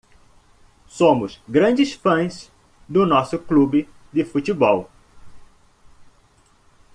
Somos grandes fãs do nosso clube de futebol.